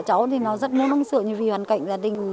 cháu thì nó rất muốn uống sữa vì hoàn cảnh gia đình